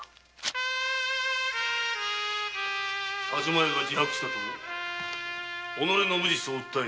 田島屋が自白したと己の無実を訴え